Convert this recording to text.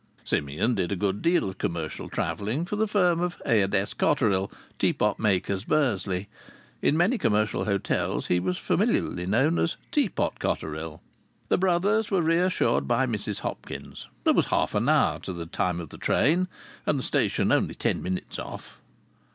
Simeon did a good deal of commercial travelling for the firm of A. & S. Cotterill, teapot makers, Bursley. In many commercial hotels he was familiarly known as Teapot Cotterill. The brothers were reassured by Mrs Hopkins. There was half an hour to the time of the train and the station only ten minutes off.